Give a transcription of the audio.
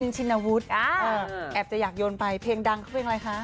ชินวุฒิแอบจะอยากโยนไปเพลงดังเขาเพลงอะไรคะ